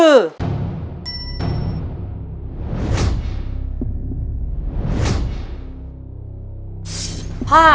ปีหน้าหนูต้อง๖ขวบให้ได้นะลูก